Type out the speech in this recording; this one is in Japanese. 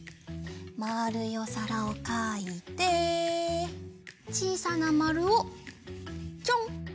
まるいおさらをかいてちいさなまるをちょん！